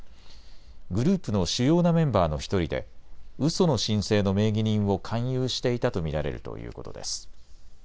グループの主要なメンバーの１人で、うその申請の名義人を勧誘していたと見られるということです。